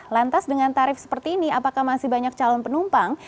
lantas dengan tarif seperti ini apakah masih banyak calon penumpang